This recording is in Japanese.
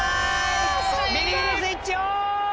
ビリビリスイッチオン！